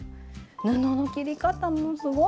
布の切り方もすごい。